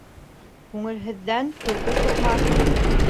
Күңелһеҙҙән көлкө сыҡмаҫ.